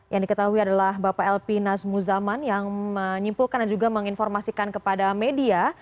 yang diketahui adalah bapak lp nazmuzaman yang menyimpulkan dan juga menginformasikan kepada media